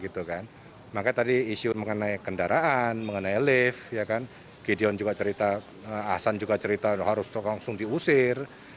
makanya tadi isu mengenai kendaraan mengenai lift gideon juga cerita ahsan juga cerita harus langsung diusir